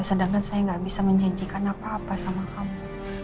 sedangkan saya gak bisa menjanjikan apa apa sama kamu